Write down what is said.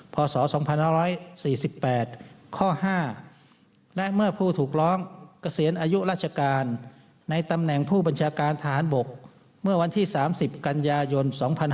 พศ๒๕๔๘ข้อ๕และเมื่อผู้ถูกร้องเกษียณอายุราชการในตำแหน่งผู้บัญชาการทหารบกเมื่อวันที่๓๐กันยายน๒๕๖๒